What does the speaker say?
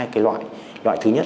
hai cái loại loại thứ nhất